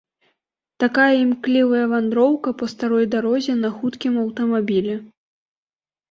Такая імклівая вандроўка па старой дарозе на хуткім аўтамабілі.